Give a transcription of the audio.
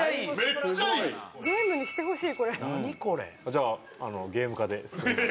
じゃあゲーム化で進めて。